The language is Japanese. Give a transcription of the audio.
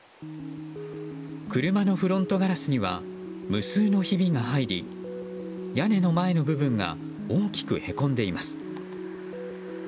車のフロントガラスには無数のひびが入り屋根の前の部分が大きくへこんでいます。